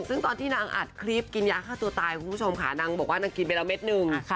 ซึ่งตอนที่นางอัดคลิปกินยาฆ่าตัวตายคุณผู้ชมค่ะนางบอกว่านางกินไปแล้วเม็ดหนึ่ง